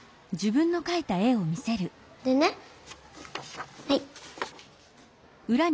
でねはい。